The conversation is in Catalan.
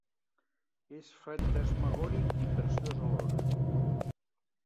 És fantasmagòric i preciós alhora.